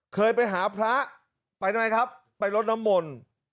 เคยไปหาพระไปทำไมครับไปรดน้ำมนต์